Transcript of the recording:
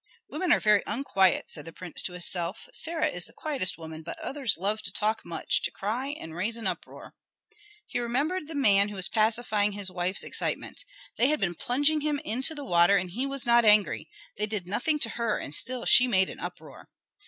"Women are very unquiet," said the prince to himself. "Sarah is the quietest woman; but others love to talk much, to cry and raise an uproar." He remembered the man who was pacifying his wife's excitement. They had been plunging him into the water and he was not angry; they did nothing to her, and still she made an uproar.